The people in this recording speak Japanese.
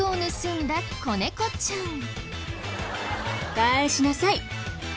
返しなさい！